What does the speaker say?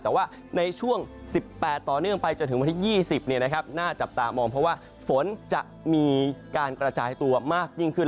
แต่ว่าในช่วง๑๘ต่อเนื่องไปจนถึงวันที่๒๐น่าจับตามองเพราะว่าฝนจะมีการกระจายตัวมากยิ่งขึ้น